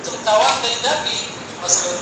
علمي پوهه د استدلال پر بنسټ ولاړه نه ده.